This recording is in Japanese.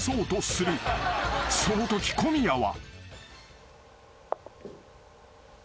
［そのとき小宮は］